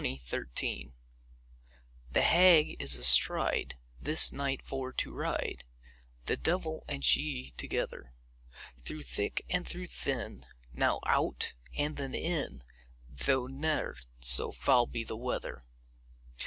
42. THE HAG The Hag is astride, This night for to ride, The devil and she together; Through thick and through thin, Now out, and then in, Though ne'er so foul be the weather.